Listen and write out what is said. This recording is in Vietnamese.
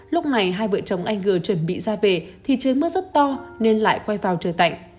lúc này hai vợ chồng anh g chuẩn bị ra về thì trời mưa rất to nên lại quay vào trời tạnh